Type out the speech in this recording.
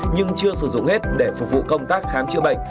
nhưng chưa sử dụng hết để phục vụ công tác khám chữa bệnh